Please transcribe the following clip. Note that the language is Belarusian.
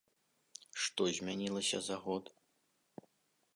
Што змянілася за год?